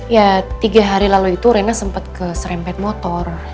ya tiga hari lalu itu rena sempat keserempet motor